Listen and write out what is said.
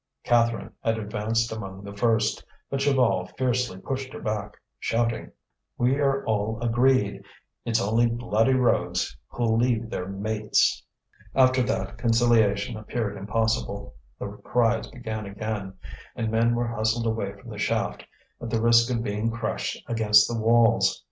Catherine had advanced among the first. But Chaval fiercely pushed her back, shouting: "We are all agreed; it's only bloody rogues who'll leave their mates!" After that, conciliation appeared impossible. The cries began again, and men were hustled away from the shaft, at the risk of being crushed against the walls.